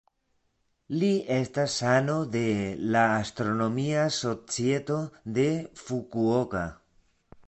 Li estas ano de la Astronomia Societo de Fukuoka.